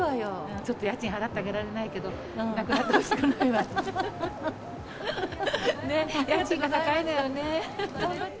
ちょっと家賃払ってあげられないけど、なくなってほしくないわ。ね？